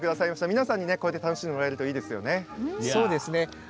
皆さんにこうやって楽しんでもらえるといいですよね。